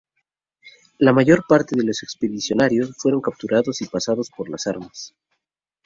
La mayor parte de los expedicionarios fueron capturados y pasados por las armas.